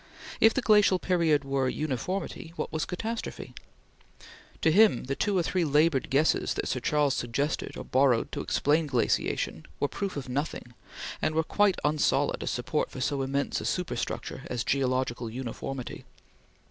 If the glacial period were uniformity, what was catastrophe? To him the two or three labored guesses that Sir Charles suggested or borrowed to explain glaciation were proof of nothing, and were quite unsolid as support for so immense a superstructure as geological uniformity.